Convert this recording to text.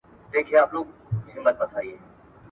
تاريخ د درد شاهد پاتې کېږي.